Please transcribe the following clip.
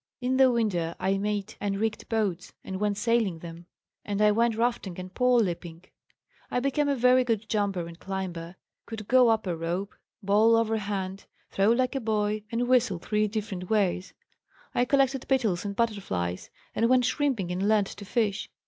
"In the winter I made and rigged boats and went sailing them, and I went rafting and pole leaping. I became a very good jumper and climber, could go up a rope, bowl overhand, throw like a boy, and whistle three different ways. I collected beetles and butterflies and went shrimping and learned to fish.